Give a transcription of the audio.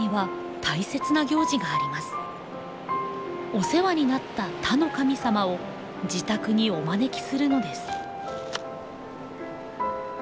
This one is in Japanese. お世話になった田の神様を自宅にお招きするのです。